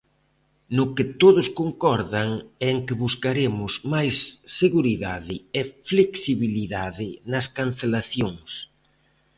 No que todos concordan é en que buscaremos máis seguridade e flexibilidade nas cancelacións.